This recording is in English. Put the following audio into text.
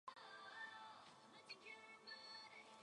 His daughter Becky Mason is a canoeist and artist.